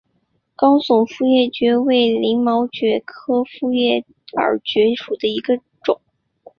高耸复叶耳蕨为鳞毛蕨科复叶耳蕨属下的一个种。